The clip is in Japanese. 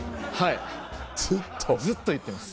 ずっと言ってます。